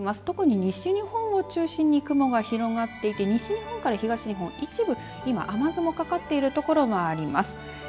特に西日本を中心に雲が広がっていて西日本から東日本、一部今、雨雲がかかっている所があります。